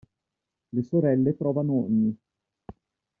Le sorelle provano ogni.